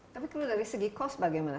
tapi kalau dari segi cost bagaimana